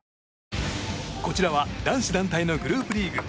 こちらは男子団体のグループリーグ。